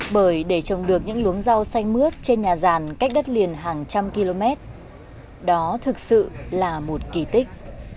bởi để trồng được những luống rau xanh mướt trên nhà giàn cách đất liền hàng trăm km đó thực sự là một kỳ tích